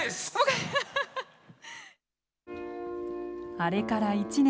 あれから１年。